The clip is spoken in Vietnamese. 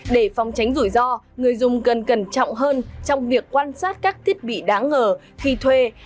để phòng tránh rủi ro người dùng cần cẩn trọng hơn trong việc quan sát các thiết bị đáng ngờ khi thuê hay ở những nơi mới